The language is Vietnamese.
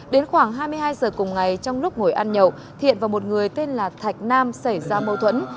đến khoảng hai mươi hai giờ cùng ngày trong lúc ngồi ăn nhậu thiện và một người tên là thạch nam xảy ra mâu thuẫn